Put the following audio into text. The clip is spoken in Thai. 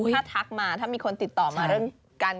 ถ้าทักมาถ้ามีคนติดต่อมาเรื่องการ